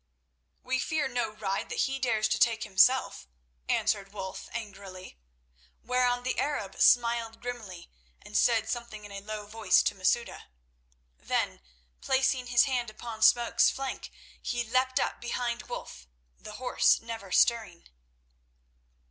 "We fear no ride that he dares to take himself," answered Wulf angrily, whereon the Arab smiled grimly and said something in a low voice to Masouda. Then, placing his hand upon Smoke's flank, he leapt up behind Wulf, the horse never stirring.